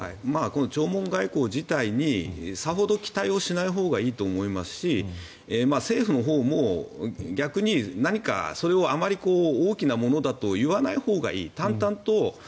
この弔問外交自体にさほど期待をしないほうがいいと思いますし政府のほうも逆に何かそれをあまり大きなものだといわないほうがいい。